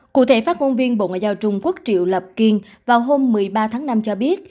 cụ thể phát ngôn viên bộ ngoại giao trung quốc triệu lập kiên vào hôm một mươi ba tháng năm cho biết